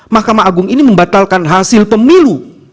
mahkamah agung ini membatalkan hasil pemilu